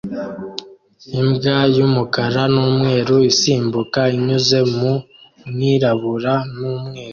Imbwa y'umukara n'umweru isimbuka inyuze mu mwirabura n'umweru